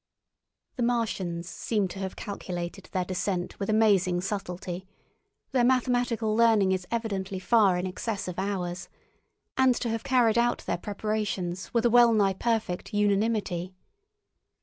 The Martians seem to have calculated their descent with amazing subtlety—their mathematical learning is evidently far in excess of ours—and to have carried out their preparations with a well nigh perfect unanimity.